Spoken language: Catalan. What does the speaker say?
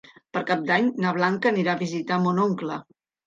Per Cap d'Any na Blanca anirà a visitar mon oncle.